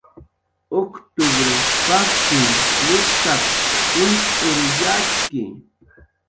"Uctupr pajshin llutap"" juncx'ruy yatxki."